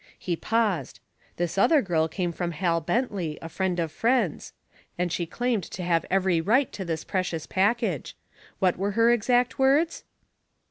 He paused This other girl came from Hal Bentley, a friend of friends. And she claimed to have every right to this precious package. What were her exact words?